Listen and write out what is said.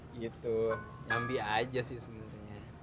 gitu nyambi aja sih sebenarnya